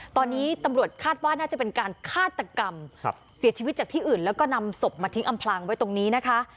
ตอนนี้ตำรวจคาดว่าน่าจะเป็นการฆาตกรรมเสียชีวิตจากที่อื่นแล้วก็นำศพมาทิ้งอำพลางไว้ตรงนี้นะคะ